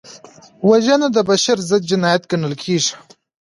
وژنه د بشر ضد جنایت ګڼل کېږي